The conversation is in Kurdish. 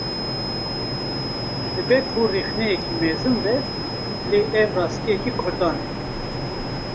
Dibe ku rexneyeke mezin be, lê ev rastiyeke Kurdan e